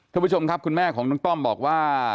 คุณผู้ชมคุณแม่ของน้องต้อมบอกว่า